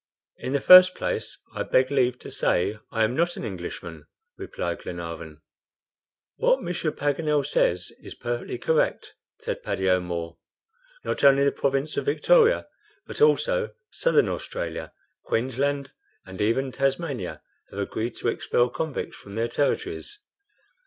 "In the first place, I beg leave to say I am not an Englishman," replied Glenarvan. "What M. Paganel says is perfectly correct," said Paddy O'Moore. "Not only the province of Victoria, but also Southern Australia, Queensland, and even Tasmania, have agreed to expel convicts from their territories.